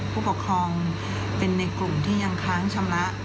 ผู้ปกครองเป็นในกลุ่มที่ยังค้างชำระ